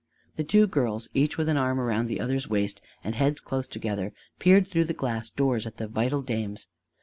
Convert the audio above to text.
The two girls, each with an arm around the other's waist and heads close together, peered through the glass doors at the vital dames.